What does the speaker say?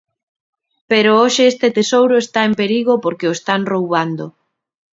Pero hoxe este tesouro está en perigo porque o están roubando.